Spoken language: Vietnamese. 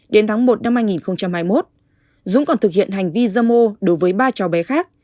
đến tháng một năm hai nghìn hai mươi một dũng còn thực hiện hành vi dâm ô đối với ba cháu bé khác